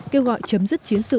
kêu gọi chấm dứt chiến sự